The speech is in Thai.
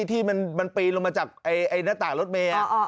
ที่มันปีนลงมาจากหน้าต่างรถเมย์